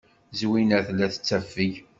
Zwina tella tettafeg.